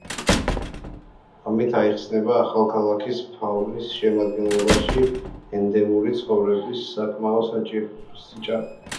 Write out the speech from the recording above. ამით აიხსნება ახალქალაქის ფაუნის შემადგენლობაში ენდემური ცხოველების საკმაო სიჭარბე.